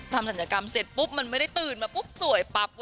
ศัลยกรรมเสร็จปุ๊บมันไม่ได้ตื่นมาปุ๊บสวยปั๊บ